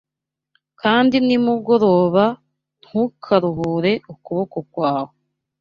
kandi nimugoroba ntukaruhure ukuboko kwawe;